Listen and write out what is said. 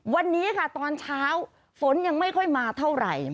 วันนี้ค่ะตอนเช้าฝนยังไม่ค่อยมาเท่าไหร่